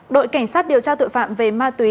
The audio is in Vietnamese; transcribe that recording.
đội cảnh sát điều tra tội phạm về ma túy